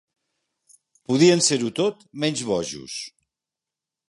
Podien ser-ho tot menys bojos.